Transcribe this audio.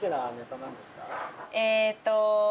えっと。